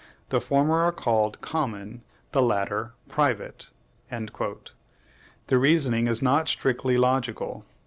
The former are called COMMON, the latter PRIVATE." This reasoning is not strictly logical.